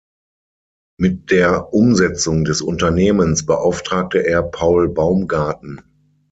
Mit der Umsetzung des Unternehmens beauftragte er Paul Baumgarten.